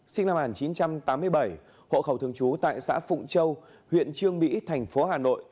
sinh năm một nghìn chín trăm tám mươi bảy hộ khẩu thường trú tại xã phụng châu huyện trương mỹ thành phố hà nội